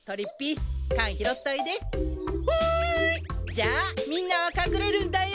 じゃあみんなは隠れるんだよ。